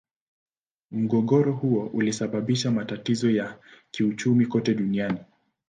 Mgogoro huo ulisababisha matatizo ya kiuchumi kote duniani.